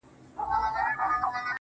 قربان د عِشق تر لمبو سم، باید ومي سوځي.